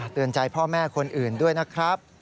เตือนใจพ่อแม่คนอื่นด้วยนะครับ